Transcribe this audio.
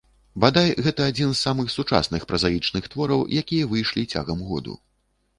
Бадай, гэта адзін з самых сучасных празаічных твораў, якія выйшлі цягам году.